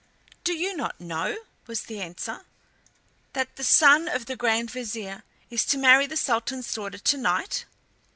"Do you not know," was the answer, "that the son of the Grand Vizier is to marry the Sultan's daughter tonight?"